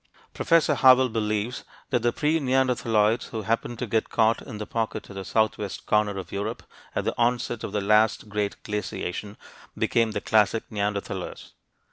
Professor Howell believes that the pre neanderthaloids who happened to get caught in the pocket of the southwest corner of Europe at the onset of the last great glaciation became the classic Neanderthalers.